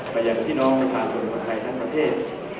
ไปยังพี่น้องประชาชนคนไทยทั้งประเทศ